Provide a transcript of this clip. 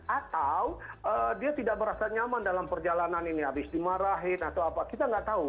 atau dia tidak merasa nyaman dalam perjalanan ini habis dimarahin atau apa kita nggak tahu